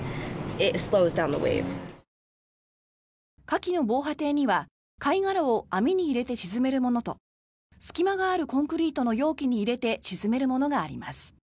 カキの防波堤には貝殻を網に入れて沈めるものと隙間があるコンクリートの容器に入れて沈めるものがあります。